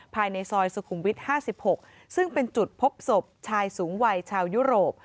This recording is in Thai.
ภายในซอยสุขุมวิท๕๖ซึ่งเป็นจุดพบศพชายสูงวัยชาวยุโรป